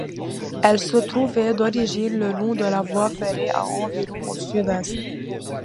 Elle se trouvait d’origine le long de la voie ferrée à environ au sud-est.